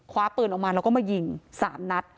คว้าปืนออกมาเรามายิง๓นัด